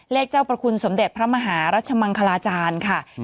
เจ้าประคุณสมเด็จพระมหารัชมังคลาจารย์ค่ะ